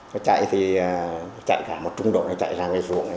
nó chạy thì chạy cả một trung đội nó chạy ra cái ruộng này